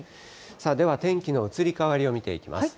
では天気の移り変わりを見ていきます。